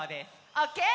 オッケー？